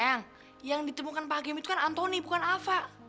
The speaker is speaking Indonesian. yang yang ditemukan pak hakim itu kan antoni bukan afa